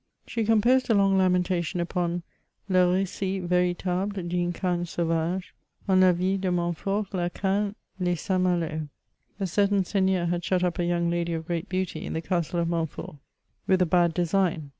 She composed a long lamentation upon Le Becit veritable d^une cane sauvage, en la ville de Montfort'la Cane'leZ'Saint Mulo, A certain seigneur had shut up a young lady of great beauty in the Castle of Montfort, with a bad design.